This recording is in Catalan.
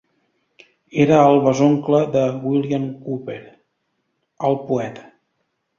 Era el besoncle de William Cowper, el poeta.